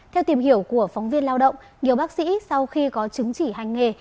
theo tìm hiểu của phóng viên lao động nhiều bác sĩ sau khi có chứng chỉ hành nghề